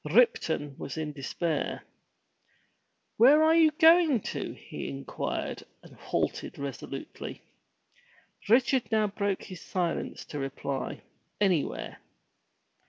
Ripton was in despair — "Where are you going to?" he inquired and halted resolutely. Richard now broke his silence to reply, "Anywhere."